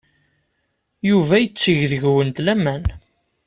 Yuba yetteg deg-went laman.